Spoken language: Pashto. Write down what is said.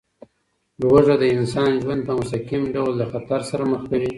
لوږه د انسان ژوند په مستقیم ډول له خطر سره مخ کوي.